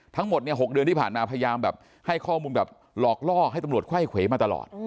ทั้งหมดเนี่ย๖เดือนที่ผ่านมาพยายามแบบให้ข้อมูลแบบหลอกล่อให้ตำรวจไข้เขวมาตลอด